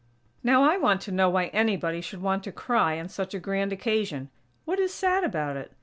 Now I want to know why anybody should want to cry on such a grand occasion. What is sad about it?